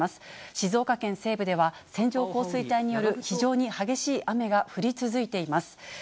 静岡県西部では線状降水帯による非常に激しい雨が降り続いています。